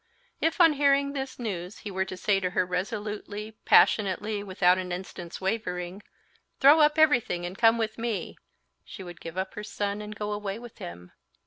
If on hearing this news he were to say to her resolutely, passionately, without an instant's wavering: "Throw up everything and come with me!" she would give up her son and go away with him.